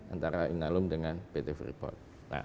antara inalum dengan pt free port